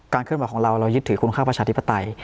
การเคลื่อนบ่อยของเรายึดถือคุณค่าประชาธิปไตย